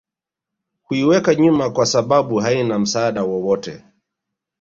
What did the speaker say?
huiweka nyuma kwasababu haina msaada wowote